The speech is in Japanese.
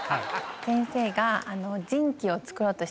先生が。